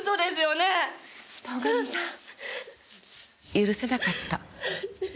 許せなかった。